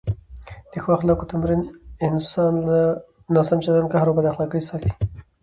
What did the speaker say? د ښو اخلاقو تمرین انسان له ناسم چلند، قهر او بد اخلاقۍ ساتي.